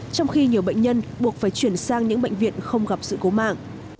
trong khi nhiều bệnh nhân buộc phải chuyển sang những bệnh viện không gặp sự cố mạng